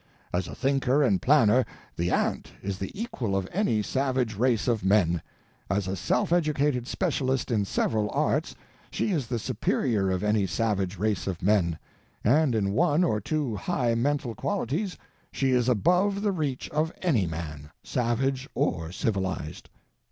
As a thinker and planner the ant is the equal of any savage race of men; as a self educated specialist in several arts she is the superior of any savage race of men; and in one or two high mental qualities she is above the reach of any man, savage or civilized!